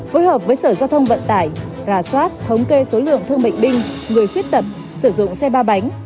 phối hợp với sở giao thông vận tải rà soát thống kê số lượng thương bệnh binh người khuyết tật sử dụng xe ba bánh